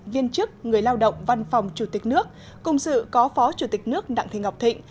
viên chức người lao động văn phòng chủ tịch nước cùng sự có phó chủ tịch nước đặng thị ngọc thịnh